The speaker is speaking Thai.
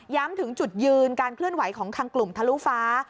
ถึงจุดยืนการเคลื่อนไหวของทางกลุ่มทะลุฟ้า